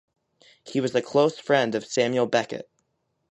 He was a close friend of Samuel Beckett.